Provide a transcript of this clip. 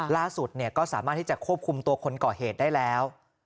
ล่าสุดก็สามารถที่จะควบคุมตัวคนก่อเหตุได้แล้ว